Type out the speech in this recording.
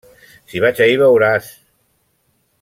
Si vaig ahí veuràs!